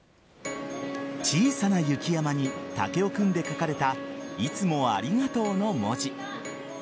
小さな雪山に竹を組んで書かれたいつもありがとうの文字。